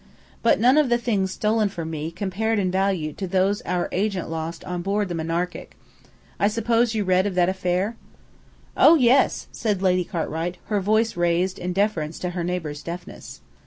But none of the things stolen from me compared in value to those our agent lost on board the Monarchic. I suppose you read of that affair?" "Oh, yes," said Lady Cartwright, her voice raised in deference to her neighbour's deafness.